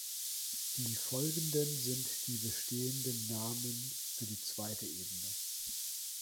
Die folgenden sind die bestehenden Namen für die zweite Ebene.